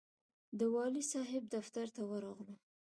د والي صاحب دفتر ته ورغلو.